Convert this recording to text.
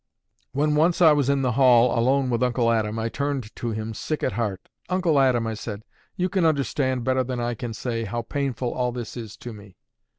When once I was in the hall alone with Uncle Adam, I turned to him, sick at heart. "Uncle Adam," I said, "you can understand, better than I can say, how very painful all this is to me."